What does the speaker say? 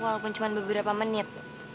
walaupun cuman beberapa menit